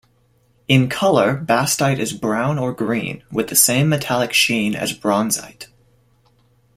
In color bastite is brown or green with the same metallic sheen as bronzite.